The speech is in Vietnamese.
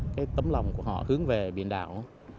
cái tấm lòng của họ hướng về biển đảo